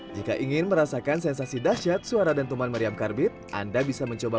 jika ingin merasakan sensasi dasyat suara dentuman meriam karbit anda bisa mencoba